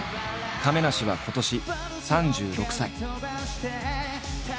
亀梨は今年３６歳。